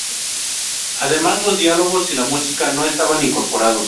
Además, los diálogos y la música no estaban incorporados.